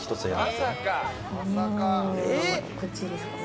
こっちですかね